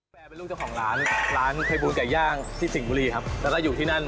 เป็นลูกเจ้าของร้านแล้วร้านเคยบูนไก่ย่างที่ครับแล้วถ้าอยู่ที่นั่น